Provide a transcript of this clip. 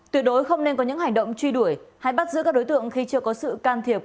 tuyệt đối không nên có những hành động truy đuổi hay bắt giữ các đối tượng khi chưa có sự can thiệp